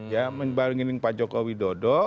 ya membargaining pak joko widodo